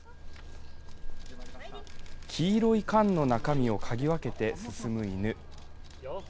黄色い缶の中身を嗅ぎ分けて進む犬。